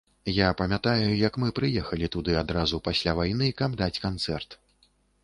Я памятаю, як мы прыехалі туды адразу пасля вайны, каб даць канцэрт.